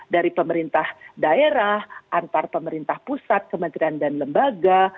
dari pemerintah daerah antar pemerintah pusat kementerian dan lembaga